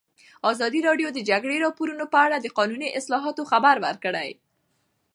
ازادي راډیو د د جګړې راپورونه په اړه د قانوني اصلاحاتو خبر ورکړی.